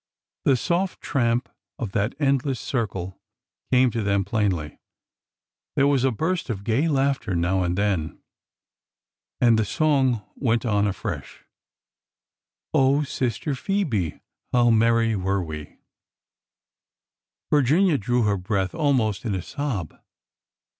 The soft tramp of that endless circle came to them plainly ; there was a burst of gay laughter now and then ; and the song went on afresh :" Oh, Sister Phoebe, how merry were we 1 " Virginia drew her breath almost in a sob.